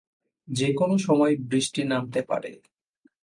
যে-কোনো সময় বৃষ্টি নামতে পারে।